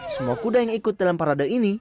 semua kuda yang ikut dalam parade ini